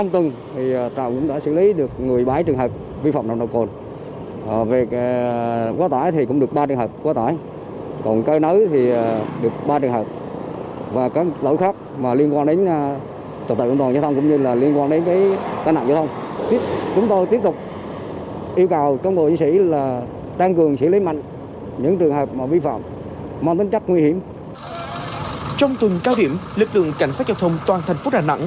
trong tuần cao điểm lực lượng cảnh sát giao thông toàn thành phố đà nẵng